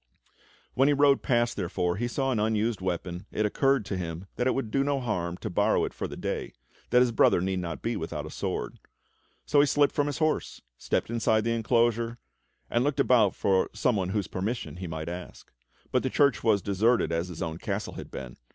When he rode past, therefore, and saw an unused weapon it occurred to him that it would do no harm to borrow it for the day, that his brother need not be without a sword. So he slipped from his horse, stepped inside the enclosure, and looked about for some one whose permission he might ask. But the church was as deserted as his own castle had been.